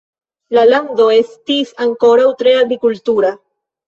La lando estis ankoraŭ tre agrikultura.